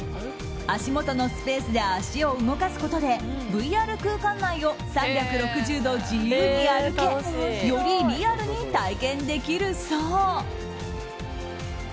足元のスペースで足を動かすことでＶＲ空間内を３６０度自由に歩けよりリアルに体験できるそう。